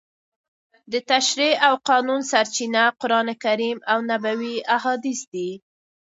د تشریع او قانون سرچینه قرانکریم او نبوي احادیث دي.